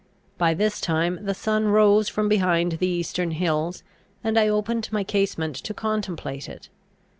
By this time the sun rose from behind the eastern hills, and I opened my casement to contemplate it.